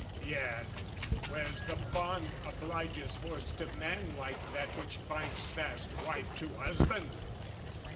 Yet where's the bond obliges horse to man Like that which binds fast wife to husband?